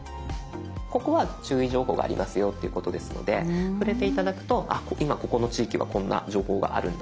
ここは注意情報がありますよっていうことですので触れて頂くとあ今ここの地域はこんな情報があるんだっていうのが見てとれます。